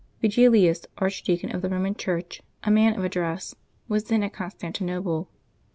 Vigilius, archdeacon of the Roman Church, a man of address, was then at Con stantinople.